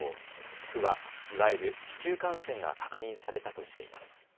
府は、いわゆる市中感染が確認されたとしています。